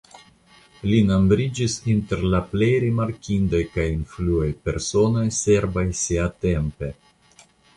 Li nombriĝis inter la plej rimarkindaj kaj influaj personoj serbaj siatempe.